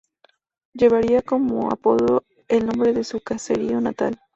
Llevaría como apodo el nombre de su caserío natal.